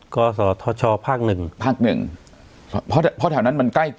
ก่อสอทชภาคหนึ่งภาคหนึ่งเพราะแถวนั้นมันใกล้